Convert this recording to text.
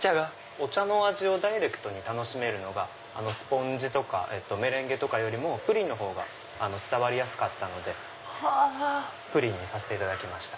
お茶の味をダイレクトに楽しめるのがスポンジとかメレンゲとかよりもプリンが伝わりやすかったのでプリンにさせていただきました。